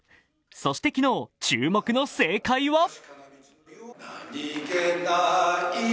そして昨日、注目の正解は？